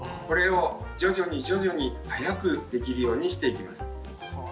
これを徐々に徐々に早くできるようにしていきます。